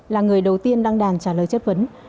là người đầu tiên đăng đàn trả lời chất vấn